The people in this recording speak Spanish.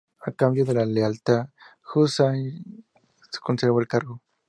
A cambio de la lealtad, Husayn conservó el cargo.